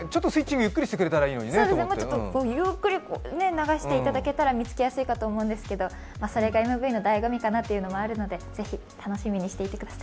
ゆっくり流していただけたら見つけやすいかと思うんですけど、それがＭＶのだいご味かなと思うので是非、楽しみにしていてください。